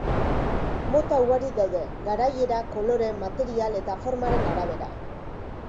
Mota ugari daude garaiera, kolore, material eta formaren arabera.